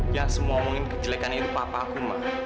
ya semua omongin kejelekannya itu papa aku mah